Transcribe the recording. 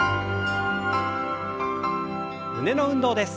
胸の運動です。